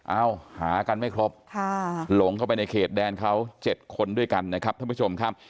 หากันไม่ครบหลงเข้าไปในเขตแดนเขา๗คนด้วยกันนะครับท่านผู้ชมครับ